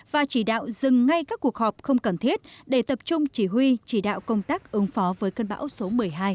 và chỉ đạo dừng ngay các cuộc họp không cần thiết để tập trung chỉ huy chỉ đạo công tác ứng phó với cơn bão số một mươi hai